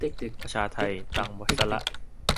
ประชาไท ตังค์หมดซะละ